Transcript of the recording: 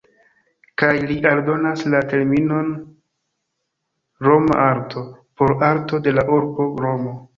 Kaj li aldonas la terminon "Roma arto", por arto de la urbo Romo.